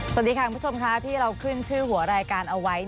สวัสดีค่ะคุณผู้ชมค่ะที่เราขึ้นชื่อหัวรายการเอาไว้